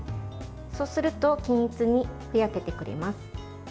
そうすると、均一にふやけてくれます。